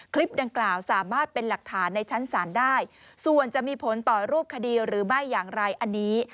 คลิปดังกล่าวสามารถเป็นหลักฐานในชั้นศาลได้ส่วนจะมีผลต่อรูปคดีหรือไม่อย่างไรอันนี้